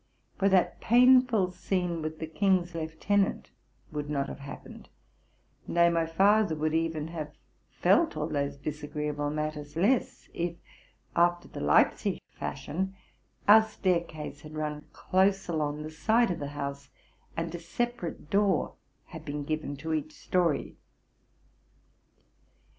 For that painful scene with the king's lieutenant would not have happened, nay, my father would even have felt all those dis agreeable matters less, if, after the Leipzig fashion, our stair vase had run close along the side of the house, and a separate door had been given to each story.